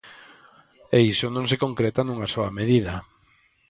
E iso non se concreta nunha soa medida.